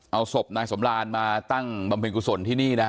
เอาศพนายสมรานมาตั้งบำเพ็ญกุศลที่นี่นะฮะ